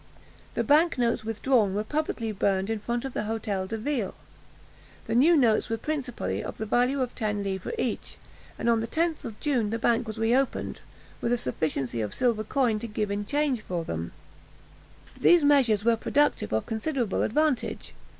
The bank notes withdrawn were publicly burned in front of the Hôtel de Ville. The new notes were principally of the value of ten livres each; and on the 10th of June the bank was re opened, with a sufficiency of silver coin to give in change for them. [Illustration: D'AGUESSEAU.] These measures were productive of considerable advantage.